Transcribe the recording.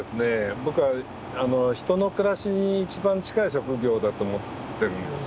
僕は人の暮らしに一番近い職業だと思ってるんですよ。